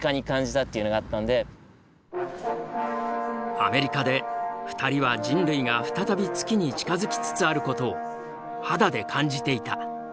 アメリカで２人は人類が再び月に近づきつつあることを肌で感じていた。